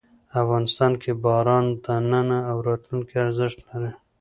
افغانستان کې باران د نن او راتلونکي ارزښت لري.